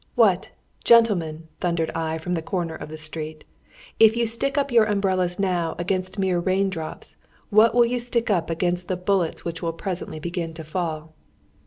"What! gentlemen," thundered I from the corner of the street, "if you stick up your umbrellas now against mere rain drops, what will you stick up against the bullets which will presently begin to fall?"